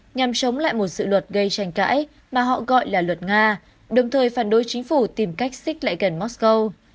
nhằm chống lại một dự luật gây tranh cãi mà họ gọi là luật nga đồng thời phản đối chính phủ tìm cách xích lại gần moscow